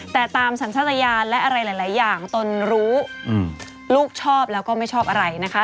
แต่ตามสัญชาติยานและอะไรหลายอย่างตนรู้ลูกชอบแล้วก็ไม่ชอบอะไรนะคะ